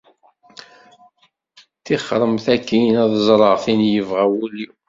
Ṭixremt akkin ad ẓreɣ tin yebɣa wul-iw!